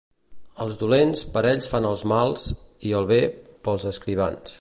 Els dolents, per ells fan els mals, i, el bé, pels escrivans.